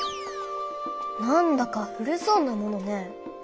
なんだか古そうなものね。